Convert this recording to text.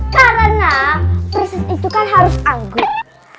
karena prinsip itu kan harus anggur